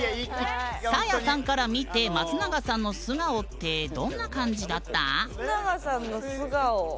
サーヤさんから見て松永さんの素顔って松永さんの素顔。